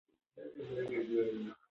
د ولس غوښتنې د ټولنیزو ستونزو شاخص دی